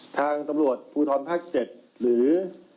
ทางตำรวจภูทรภาค๗หรือ